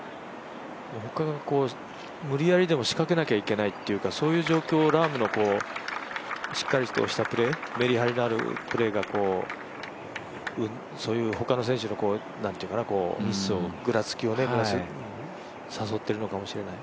他が無理やりでも仕掛けなきゃいけないっていうそういう状況をラームのしっかりとしたプレーめりはりのあるプレーが他の選手のミスを、ぐらつきを誘っているのかもしれない。